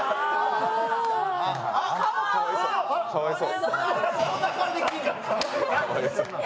かわいそう。